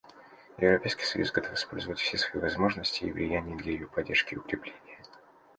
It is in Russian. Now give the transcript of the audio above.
Европейский союз готов использовать все свои возможности и влияние для ее поддержки и укрепления.